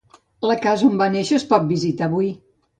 La casa on va néixer es pot visitar avui.